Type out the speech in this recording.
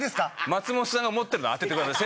松本さんが持ってるの当ててください。